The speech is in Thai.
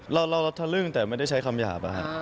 เราทะลึ่งแต่ไม่ได้ใช้คำหยาบ